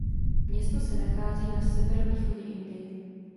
Město se nachází na severovýchodě Indie.